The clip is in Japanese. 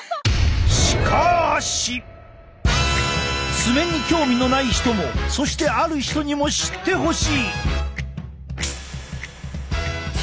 爪に興味のない人もそしてある人にも知ってほしい！